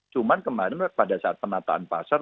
cuman kemarin pada saat penataan pasar